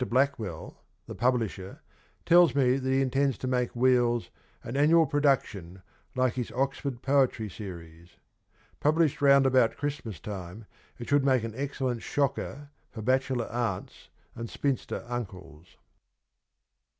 Blackwell, the publisher, tells me that he intends to make ' Wheels ' an annual production like his Oxford Poetry series. Published round about Christmas time it should make an excellent ' shocker ' for bachelor aunts and spinster uncles.